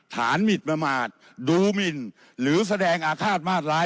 ฐานมิตรมาตรดูมิลหรือแสดงอาฆาตมาตรร้าย